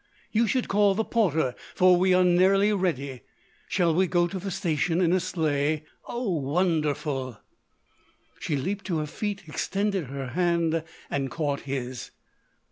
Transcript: "You should call the porter for we are nearly ready. Shall we go to the station in a sleigh? Oh, wonderful!" She leaped to her feet, extended her hand and caught his.